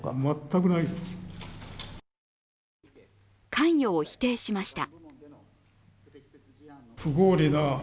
関与を否定しました。